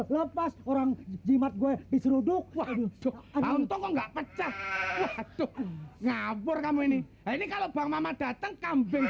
lepas orang jimat gue diseruduk waduh ngabur kamu ini ini kalau bang mama datang kambing